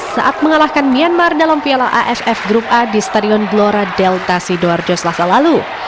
saat mengalahkan myanmar dalam piala aff grup a di stadion glora delta sidoarjo selasa lalu